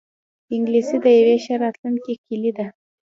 انګلیسي د یوی ښه راتلونکې کلۍ ده